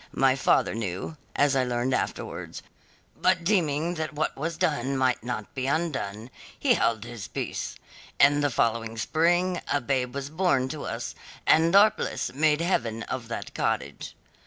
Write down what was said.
My father knew as I learned afterwards but deeming that what was done might not be undone, he held his peace. In the following spring a babe was born to us, and our bliss made heaven of that cottage.